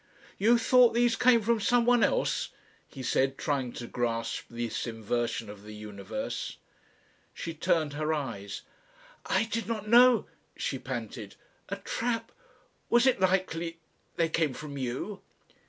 "You thought these came from someone else?" he said, trying to grasp this inversion of the universe. She turned her eyes, "I did not know," she panted. "A trap.... Was it likely they came from you?"